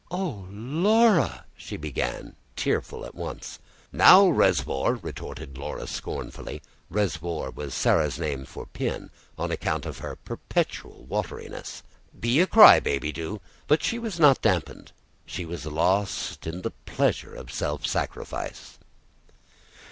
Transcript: "Oh, Laura ...!" she began, tearful at once. "Now, res'vor!" retorted Laura scornfully "res'vor" was Sarah's name for Pin, on account of her perpetual wateriness. "Be a cry baby, do." But she was not damped, she was lost in the pleasure of self sacrifice.